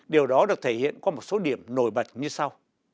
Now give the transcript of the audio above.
điều đó được thể hiện qua một số điểm nổi bật như sau